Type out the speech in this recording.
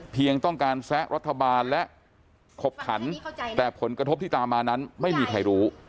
ต้องการแซะรัฐบาลและขบขันแต่ผลกระทบที่ตามมานั้นไม่มีใครรู้